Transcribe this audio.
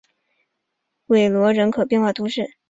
韦罗人口变化图示